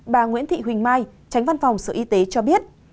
bà nguyễn thị huỳnh mai tránh văn phòng sở y tế cho biết